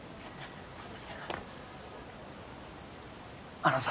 あのさ。